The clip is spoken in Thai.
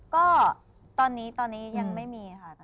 ก็ตอนนี้ตอนนี้ยังไม่มีค่ะ